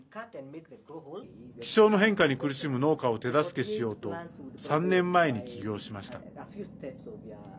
気象の変化に苦しむ農家を手助けしようと３年前に起業しました。